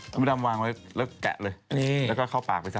คุณพระดำวางไว้แล้วแกะเลยแล้วก็เข้าปากไปซะ